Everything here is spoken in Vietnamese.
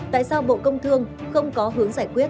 tại sao bộ công thương không có hướng giải quyết